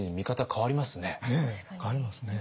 変わりますね。